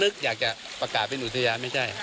อยากจะประกาศเป็นอุทยานไม่ใช่